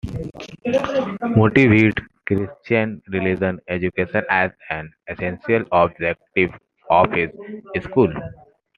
Moody viewed Christian religious education as an essential objective of his schools.